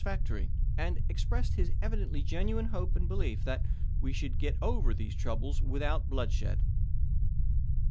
nFofteibto factory " and expressed his evidently genuine hope rSlSseo. and belief that " we should get over these troubles ^ii/p. 10?!' without bloodshed."